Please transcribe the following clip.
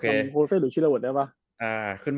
คุณต้องถามโคลเฟสหรือฮิลาวอทได้ป่ะ